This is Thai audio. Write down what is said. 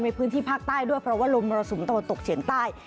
ในพื้นที่ภาคใต้ด้วยเพราะว่าลมมรสุมตะวันตกเฉียงใต้